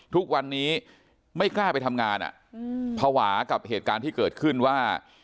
ทุกวันนี้ไม่กล้าไปทำงานภาวะกับเหตุการณ์ที่เกิดขึ้นว่า